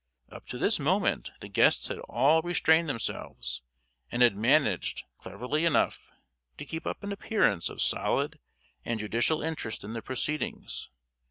Up to this moment the guests had all restrained themselves, and had managed, cleverly enough, to keep up an appearance of solid and judicial interest in the proceedings.